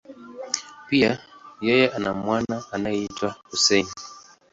Pia, yeye ana mwana anayeitwa Hussein.